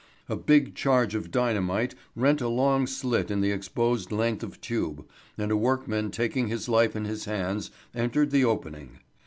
A big charge of dynamite rent a long slit in the exposed length of tube, and a workman taking his life in his hands entered the opening.